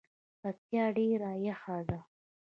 پکتیا ډیره یخه ده